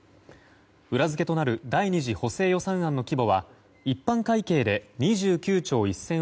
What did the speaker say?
裏付けとなる第２次補正予算案の規模は一般会計で２９兆１０００億円